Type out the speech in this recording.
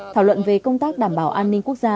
thảo luận về công tác đảm bảo an ninh quốc gia